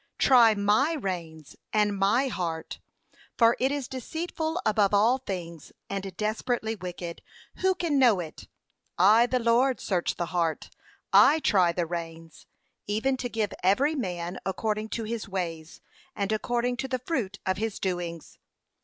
"Try MY reins and my heart.' for it is deceitful above all things, and desperately wicked: who can know it? I the Lord search the heart, I try the reins, even to give every man according to his ways, and according to the fruit of his doings.'